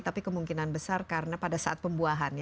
tapi kemungkinan besar karena pada saat pembuahan